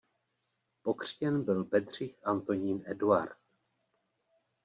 Pokřtěn byl Bedřich Antonín Eduard.